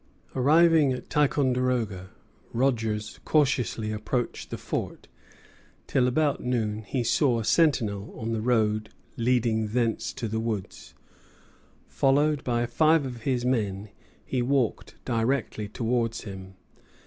Arriving at Ticonderoga, Rogers cautiously approached the fort, till, about noon, he saw a sentinel on the road leading thence to the woods. Followed by five of his men, he walked directly towards him.